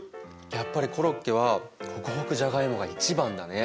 やっぱりコロッケはほくほくじゃがいもが一番だね。